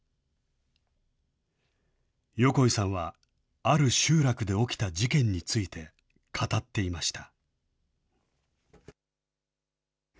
横井さんは、ある集落で起きた事件について語っていました。